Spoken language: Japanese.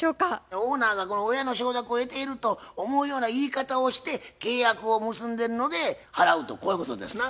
オーナーがこの親の承諾を得ていると思うような言い方をして契約を結んでるので払うとこういうことですな。